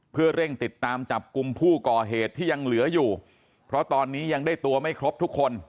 เพื่อเร่งติดตามจับกลุ่มผู้ก่อเหตุที่ยังเหลืออยู่เพราะตอนนี้ยังได้ตัวไม่ครบทุกคน